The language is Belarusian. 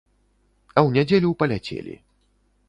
А ў нядзелю паляцелі.